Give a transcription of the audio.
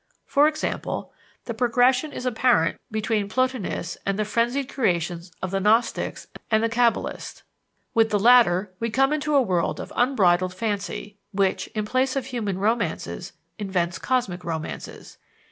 For example, the progression is apparent between Plotinus and the frenzied creations of the Gnostics and the Cabalists. With the latter, we come into a world of unbridled fancy which, in place of human romances, invents cosmic romances.